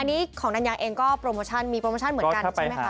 อันนี้ของดันยางเองก็มีโปรโมชั่นเหมือนกันใช่ไหมคะ